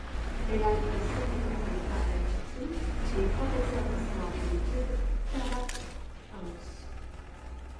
Elle a été secrétaire d'État à la culture et professeure d'histoire et d'études paraenses.